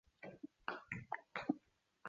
白川乡是指岐阜县内的庄川流域。